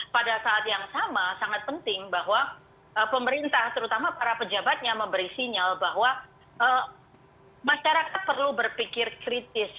pada saat yang sama sangat penting bahwa pemerintah terutama para pejabatnya memberi sinyal bahwa masyarakat perlu berpikir kritis